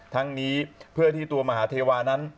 ทั้งนี้เพื่อที่ตัวมหาเทวานั้น